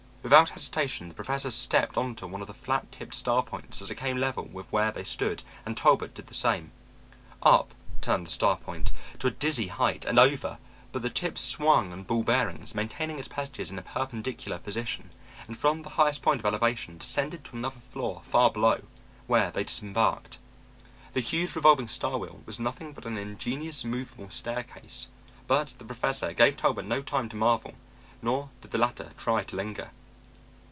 Without hesitation the Professor stepped onto one of the flat tipped star points as it came level with where they stood and Talbot did the same. Up, turned the star point, to a dizzy height, and over, but the tip swung on ball bearings, maintaining its passengers in a perpendicular position, and from its highest point of elevation descended to another floor far below, where they disembarked. The huge revolving star wheel was nothing but an ingenious movable staircase. But the Professor gave Talbot no time to marvel, nor did the latter try to linger.